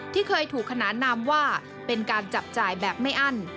ที่เคยถูกขนานนามว่าเป็นการจับจ่ายแบบไม่อั้น